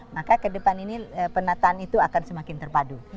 maka ke depan ini penataan itu akan semakin terpadu